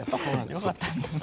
よかったんだ。